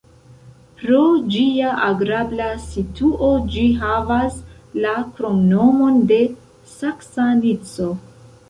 Pro ĝia agrabla situo ĝi havas la kromnomon de "Saksa Nico".